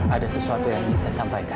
ada sesuatu yang bisa saya sampaikan